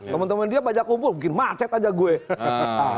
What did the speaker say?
teman teman dia banyak kumpul mungkin macet saja saya